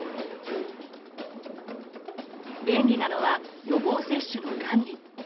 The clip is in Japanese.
便利なのは予防接種の管理。